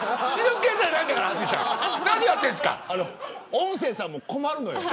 音声さんも困るのよ。